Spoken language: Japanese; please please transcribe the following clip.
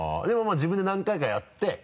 でもまぁ自分で何回かやって。